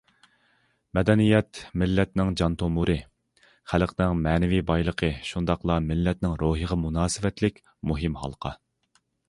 مەدەنىيەت مىللەتنىڭ جان تومۇرى، خەلقنىڭ مەنىۋى بايلىقى شۇنداقلا مىللەتنىڭ روھىغا مۇناسىۋەتلىك مۇھىم ھالقا.